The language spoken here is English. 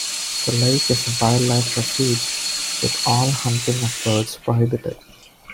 The lake is a wildlife refuge, with all hunting of birds prohibited.